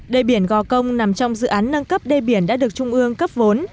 đề biển gò công nằm trong dự án nâng cấp đề biển đã được trung ương cấp vốn